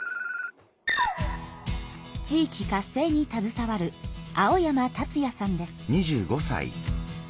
地域活性にたずさわる青山達哉さんです。